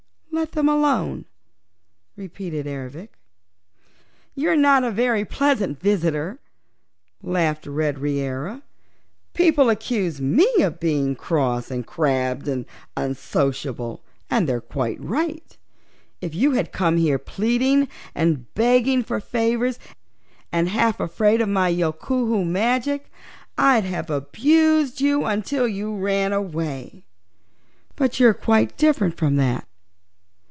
"Let them alone!" repeated Ervic. "You're not a very pleasant visitor," laughed Red Reera. "People accuse me of being cross and crabbed and unsociable, and they are quite right. If you had come here pleading and begging for favors, and half afraid of my Yookoohoo magic, I'd have abused you until you ran away; but you're quite different from that.